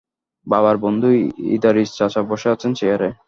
বাবার বন্ধু ইদারিস চাচা বসে আছেন চেয়ারে।